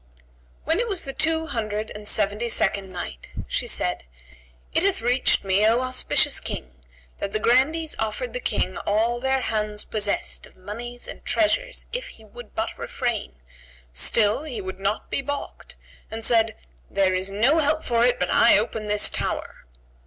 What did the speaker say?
When it was the Two Hundred and Seventy second Night, She said, It hath reached me, O auspicious King, that the grandees offered that King all their hands possessed of monies and treasures if he would but refrain; still he would not be baulked and said "There is no help for it but I open this tower."